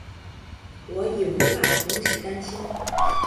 我也无法停止担心